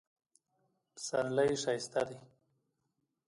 پسرلی ښایسته ده